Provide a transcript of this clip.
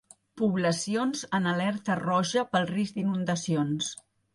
Poblacions en alerta roja pel risc d'inundacions.